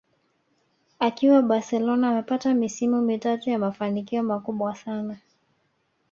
Akiwa Barcelona amepata misimu mitatu ya mafanikio makubwa sana